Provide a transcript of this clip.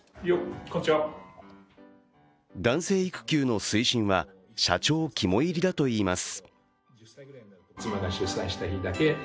男性育休の推進は、社長肝煎りだといいます。